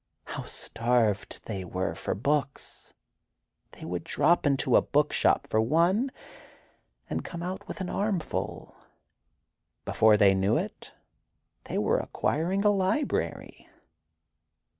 How starved they were for books! They would drop into a book shop for one, and come out with an armful. Before they knew it, they were acquiring a library.